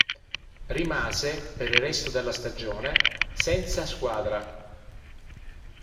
Rimase per il resto della stagione senza squadra.